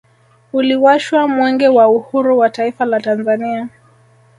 Uliwashwa mwenge wa uhuru wa taifa la Tanzania